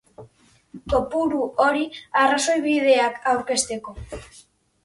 Kopuru hori arrazoibideak aurkezteko.